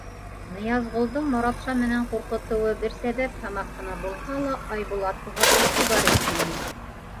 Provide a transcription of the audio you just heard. Ныязғолдоң Моратша менән ҡурҡытыуы бер сәбәп һымаҡ ҡына булһа ла, Айбулат уға иғтибар итмәне.